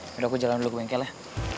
karena aku jalan dulu ke bengkel ya